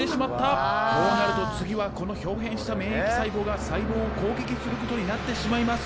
こうなると次はこのひょう変した免疫細胞が細胞を攻撃することになってしまいます。